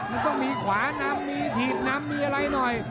มันต้องมีขวานำมีถีบนำมีอะไรหน่อย